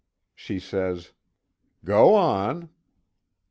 She says: "Go on."